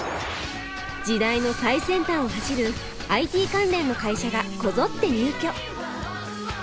時代の最先端を走るＩＴ関連の会社がこぞって入居。